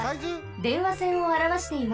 電話線をあらわしています。